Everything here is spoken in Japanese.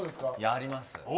あります。